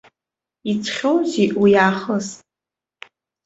Иҵхьоузеи уи аахыс?